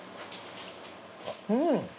うん。